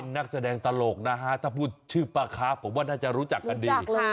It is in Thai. นักแสดงตลกนะฮะถ้าพูดชื่อป้าค้าผมว่าน่าจะรู้จักกันดี